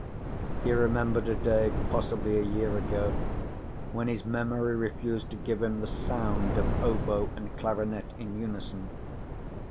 He remembered a day, possibly a year ago, when his memory refused to give him the sound of oboe and clarinet in unison.